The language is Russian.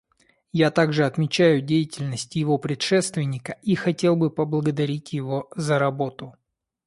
Я также отмечаю деятельность его предшественника и хотел бы поблагодарить его за работу.